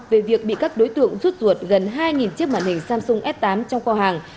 về việc bị các đối tượng rút ruột gần hai chiếc màn hình samsung s tám trong kho hàng